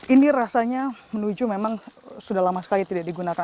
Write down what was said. ini rasanya menuju memang sudah lama sekali tidak digunakan